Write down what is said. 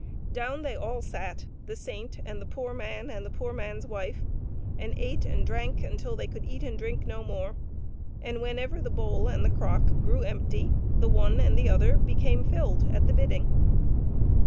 Down they all sat, the saint and the poor man and the poor man's wife, and ate and drank till they could eat and drink no more, and whenever the bowl and the crock grew empty, the one and the other became filled at the bidding.